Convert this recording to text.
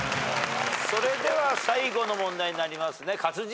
それでは最後の問題になりますね勝地ペア。